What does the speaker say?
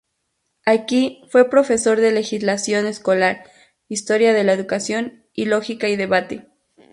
Aquí fue profesor de Legislación Escolar, Historia de la Educación y Lógica y Debate.